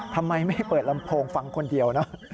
ทำไมไม่เปิดลำโพงฟังคนเดียวเนอะ